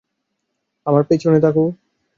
আমার পেছনে থাকো।